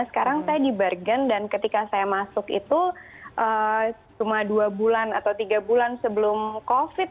sekarang saya di bergen dan ketika saya masuk itu cuma dua bulan atau tiga bulan sebelum covid